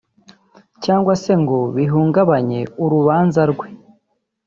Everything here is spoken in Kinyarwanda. cyangwa se ngo bihungabanye urubanza rwe